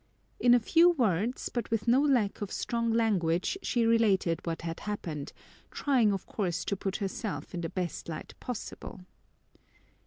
In a few words but with no lack of strong language she related what had happened, trying of course to put herself in the best light possible.